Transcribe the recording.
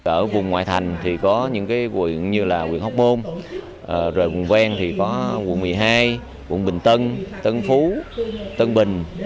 ở vùng ngoại thành thì có những quận như là huyện hóc môn rồi vùng ven thì có quận một mươi hai quận bình tân tân phú tân bình